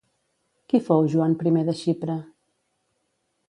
Qui fou Joan I de Xipre?